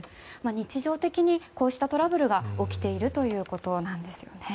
日常的にこうしたトラブルが起きているということなんです。